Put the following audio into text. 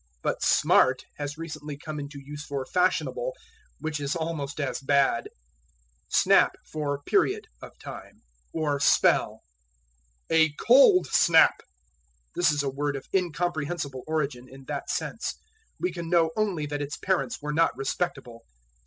But "smart" has recently come into use for fashionable, which is almost as bad. Snap for Period (of time) or Spell. "A cold snap." This is a word of incomprehensible origin in that sense; we can know only that its parents were not respectable.